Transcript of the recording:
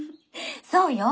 そうよ。